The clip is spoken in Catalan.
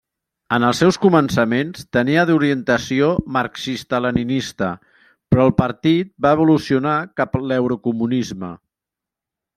En els seus començaments tenia d'orientació marxista-leninista però el partit va evolucionar cap a l'eurocomunisme.